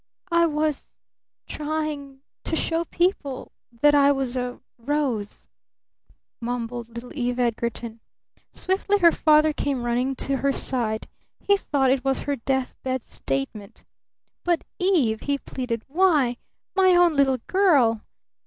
"I was trying to show people that I was a rose," mumbled little Eve Edgarton. Swiftly her father came running to her side. He thought it was her deathbed statement. "But Eve?" he pleaded. "Why, my own little girl.